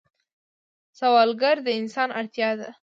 سوالګر د انسان اړتیا ده